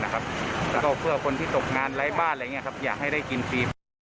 แล้วก็เพื่อคนที่ตกงานไร้บ้านอะไรอย่างนี้อยากให้ได้กินฟรี